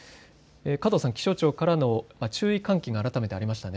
加藤さん、気象庁からの注意喚起が改めてありましたね。